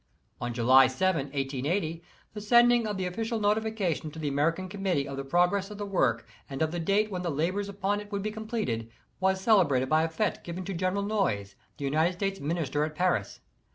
On July 7, 1880, the sending of the official notification to the American Committee of the pro gress of the work and of the date when the labors upon it would be completed, was celebrated by a fete given to General Noyes, the United States Minister at Paris.